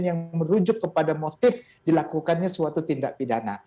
yang merujuk kepada motif dilakukannya suatu tindak pidana